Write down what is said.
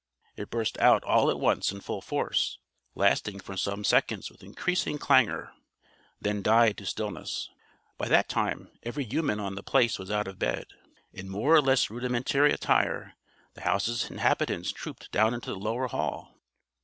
It burst out all at once in full force, lasting for some seconds with increasing clangor; then died to stillness. By that time every human on The Place was out of bed. In more or less rudimentary attire the house's inhabitants trooped down into the lower hall.